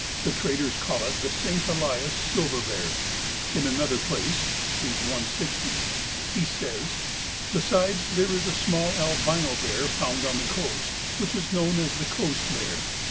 The traders call it the St. Elias silver bear.' In another place (p. 160) he says: 'Besides there is a small albino bear found on the coast, which is known as the coast bear.